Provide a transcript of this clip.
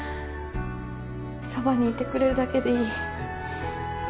そばにいてくれるだけでいい